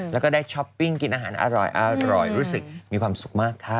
แล้วก็ได้ช้อปปิ้งกินอาหารอร่อยรู้สึกมีความสุขมากค่ะ